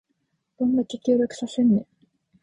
どんだけ協力させんねん